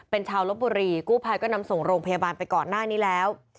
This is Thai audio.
เป็นชาวลบบุรีกู้ภัยก็นำส่งโรงพยาบาลไปก่อนหน้านี้แล้ว